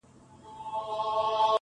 پر محراب به مي د زړه هغه امام وي,